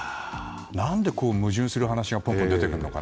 何で、矛盾する話がポンポン出てくるのか。